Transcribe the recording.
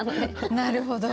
なるほど。